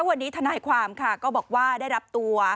วันนี้ทนายความค่ะก็บอกว่าได้รับตัว